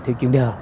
thiếu chuyển đờ